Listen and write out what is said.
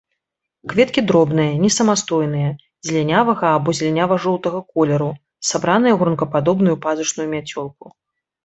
Кветкі дробныя, несамастойныя, зелянявага або зелянява-жоўтага колеру, сабраныя ў гронкападобную пазушную мяцёлку.